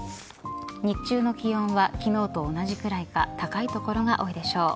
日中の気温は昨日と同じくらいか高い所が多いでしょう。